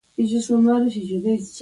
ښوونځی زړه پراخوي